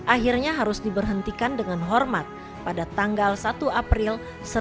akhirnya harus diberhentikan dengan hormat pada tanggal satu april seribu sembilan ratus empat puluh lima